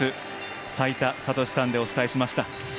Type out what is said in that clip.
齋田悟司さんでお伝えしました。